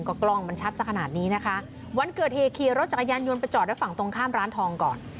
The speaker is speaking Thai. ก็กล้องมันชัดสักขนาดนี้นะคะวันเกิดเหตุขี่รถจักรยานยนต์ไปจอดไว้ฝั่งตรงข้ามร้านทองก่อน